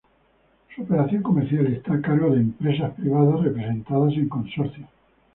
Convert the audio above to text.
Su operación comercial está a cargo de empresas privadas representadas en consorcios.